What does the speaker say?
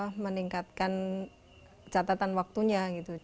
bisa terus meningkatkan catatan waktunya gitu